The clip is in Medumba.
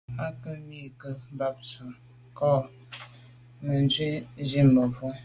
À ke mi meke’ mbàb ntùn à kàm mebwô il mache bien.